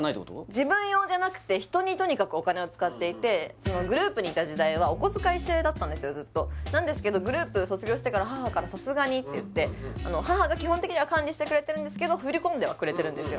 自分用じゃなくて人にとにかくお金を使っていてグループにいた時代はお小遣い制だったんですよずっとなんですけどグループ卒業してから母からさすがにって言って母が基本的には管理してくれてるんですけど振り込んではくれてるんですよ